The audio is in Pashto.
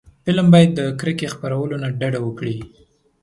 فلم باید د کرکې خپرولو نه ډډه وکړي